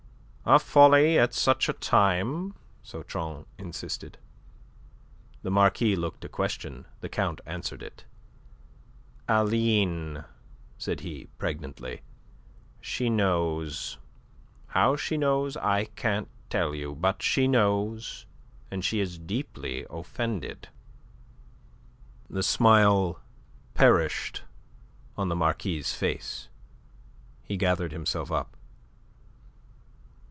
"A folly at such a time," Sautron insisted. The Marquis looked a question. The Count answered it. "Aline," said he, pregnantly. "She knows. How she knows I can't tell you, but she knows, and she is deeply offended." The smile perished on the Marquis' face. He gathered himself up.